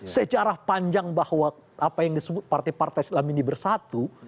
sejarah panjang bahwa apa yang disebut partai partai islam ini bersatu